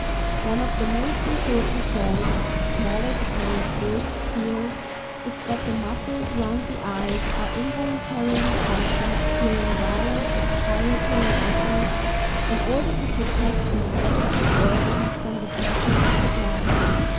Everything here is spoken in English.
One of the most important points, small as it may at first appear, is that the muscles round the eyes are involuntarily contracted during violent expiratory efforts, in order to protect these delicate organs from the pressure of the blood.